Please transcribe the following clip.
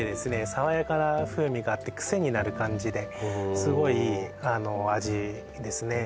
爽やかな風味があってクセになる感じでほうすごいあの味ですね